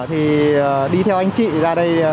thì đi theo anh chị ra đây